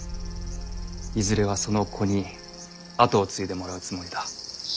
いずれはその子に跡を継いでもらうつもりだ。